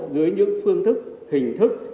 dưới những phương thức hình thức